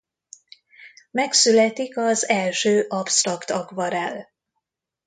Megszületik az első absztrakt akvarell.